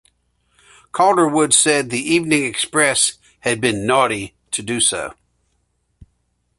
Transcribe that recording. Calderwood said that the Evening Express had been "naughty" to do so.